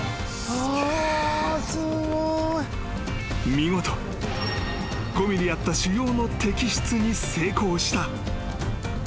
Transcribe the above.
［見事５ｍｍあった腫瘍の摘出に成功した］